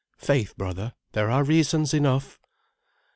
Faith, brother, there are reasons enough."